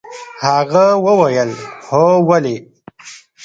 هغه وويل هو ولې.